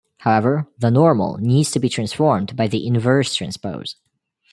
However, the normal needs to be transformed by the inverse transpose.